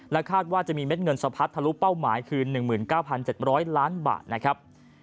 คาดว่าจะมีเม็ดเงินสะพัดทะลุเป้าหมายคือ๑๙๗๐๐ล้านบาทนะครับ